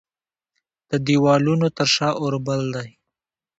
د دیوالونو تر شا اوربل دی